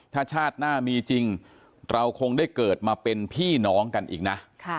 ถ้าชาติหน้ามีจริงเราคงได้เกิดมาเป็นพี่น้องกันอีกนะ